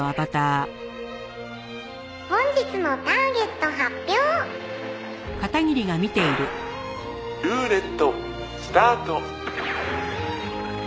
「本日のターゲット発表！」「ルーレットスタート！」